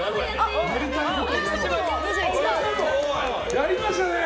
やりましたね！